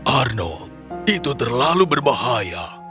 arnold itu terlalu berbahaya